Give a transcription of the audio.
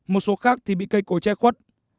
một số khác thì bị cây cối che khuất